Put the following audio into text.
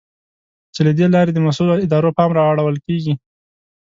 چې له دې لارې د مسؤلو ادارو پام را اړول کېږي.